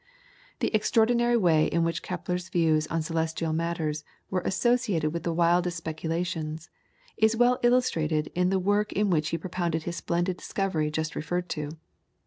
The extraordinary way in which Kepler's views on celestial matters were associated with the wildest speculations, is well illustrated in the work in which he propounded his splendid discovery just referred to.